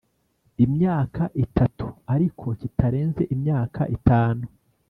imyaka itatu ariko kitarenze imyaka itanu